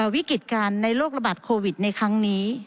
วิกฤตการณ์ในโลกระบาดโควิดในครั้งนี้